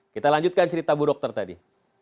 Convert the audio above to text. kita lanjutkan cerita bu dokter tadi